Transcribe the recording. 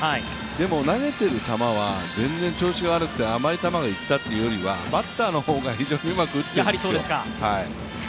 でも、投げている球は全然調子が悪くて甘い球がいったというよりはバッターの方が非常にうまく打ってるんですよ。